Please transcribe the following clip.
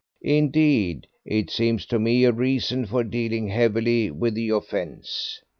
Indeed, it seems to me a reason for dealing heavily with the offence.